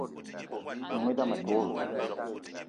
N'noung idame a te wo veu.